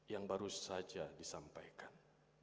yang baru saja disampaikan